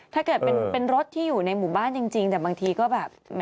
ถ้าเกิดเป็นรถที่อยู่ในหมู่บ้านจริงแต่บางทีก็แบบ